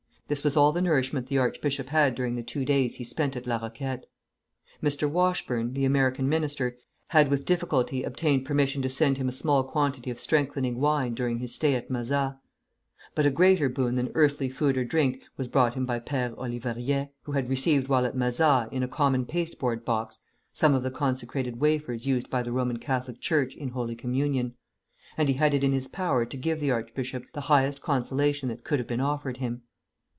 This was all the nourishment the archbishop had during the two days he spent at La Roquette. Mr. Washburne, the American minister, had with difficulty obtained permission to send him a small quantity of strengthening wine during his stay at Mazas. But a greater boon than earthly food or drink was brought him by Père Olivariet, who had received while at Mazas, in a common pasteboard box, some of the consecrated wafers used by the Roman Catholic Church in holy communion; and he had it in his power to give the archbishop the highest consolation that could have been offered him.